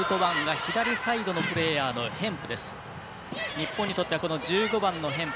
日本にとっては１５番のヘンプ。